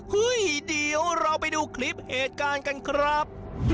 เฮ้ยเดี๋ยวเราไปดูคลิปเหตุการณ์กันครับ